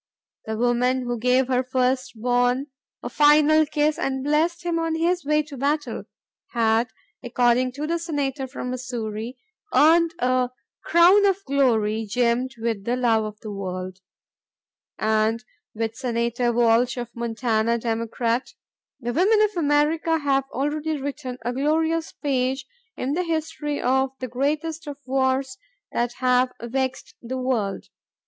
. The woman who gave her first born a final kiss and blessed him on his way to battle," had, according to the Senator from Missouri, earned a "crown of glory ... gemmed with the love of the world." And with Senator Walsh of Montana, Democrat, "The women of America have already written a glorious page in the history of the greatest of wars that have vexed the world.